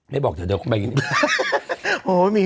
ไม่บอกก็ทดอย่างนี้